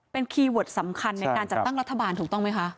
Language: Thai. เป็นคีย์เวิร์ดสำคัญในการจัดตั้งรัฐบาลถูกต้องไหมคะ